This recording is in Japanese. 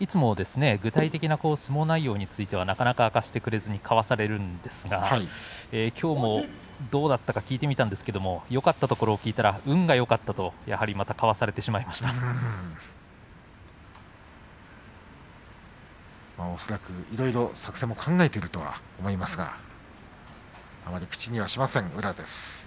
いつも具体的な相撲内容についてはなかなか明かしてくれずにかわされますがきょうもどうだったか聞いてみたんですがよかったところを聞いたら運がよかったと恐らくいろいろ作戦を考えていると思いますがあまり口にはしません、宇良です。